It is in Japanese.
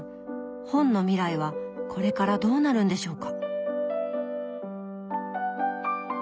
本の未来はこれからどうなるんでしょうか？